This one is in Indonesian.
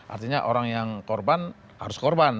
artinya orang yang korban harus korban